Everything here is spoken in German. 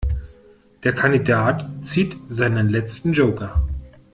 Der Kandidat zieht seinen letzten Joker.